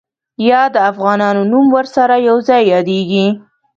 یا د افغانانو نوم ورسره یو ځای یادېږي.